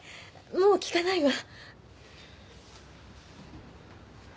もう聞かないわ。